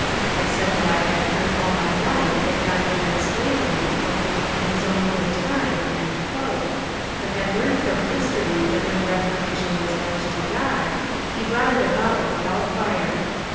I said that I had heard all my life that God would end slavery ^^ in his own good time/' but had learned from history that when reforma tion was left to God, he brought it about with hell fire.